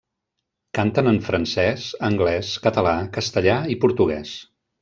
Canten en francès, anglès, català, castellà i portuguès.